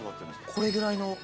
これぐらいの。